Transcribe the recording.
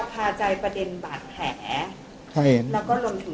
พาใจประเด็นบาดแถแล้วก็ลงถึงบาดแถ